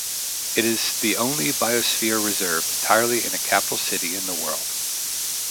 It is the only Biosphere Reserve entirely in a capital city in the world.